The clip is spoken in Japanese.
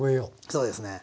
そうですね。